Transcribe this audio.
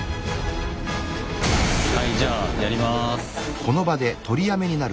はいじゃあやります。